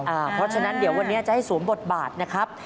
เพราะฉะนั้นเดี๋ยววันนี้จะให้สวมบทบาทนะครับ